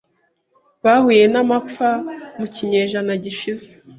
bahuye n’amapfa mu kinyejana gishize